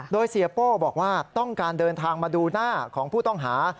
โดยเสียโป้บอกว่าต้องการเดินทางมาดูหน้าของผู้ต้องหา